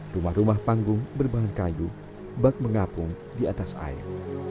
rumah rumah panggung berbahan kayu bak mengapung di atas air